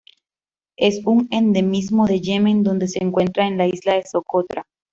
Es un endemismo de Yemen donde se encuentra en la isla de Socotra.